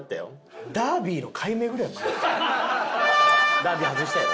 ダービー外したやろ？